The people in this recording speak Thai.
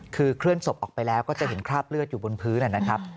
คือเคลื่อนศพออกไปแล้วก็จะเห็นคราบเลือดอยู่บนพื้นนะครับ